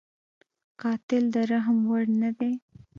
قاتل د رحم وړ نه دی